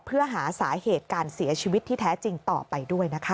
เพื่อหาสาเหตุการเสียชีวิตที่แท้จริงต่อไปด้วยนะคะ